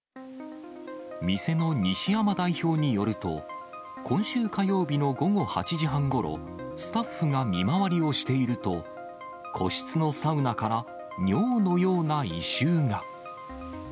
店の西山代表によると、今週火曜日の午後８時半ごろ、スタッフが見回りをしていると、個室のサウナから尿のような異臭が。